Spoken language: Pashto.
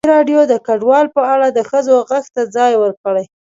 ازادي راډیو د کډوال په اړه د ښځو غږ ته ځای ورکړی.